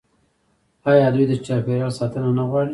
آیا دوی د چاپیریال ساتنه نه غواړي؟